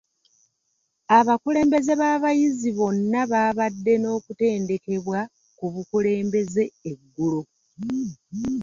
Abakulembeze b'abayizi bonna baabadde n'okutendekwa ku bukulembeze eggulo.